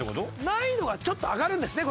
難易度がちょっと上がるんですね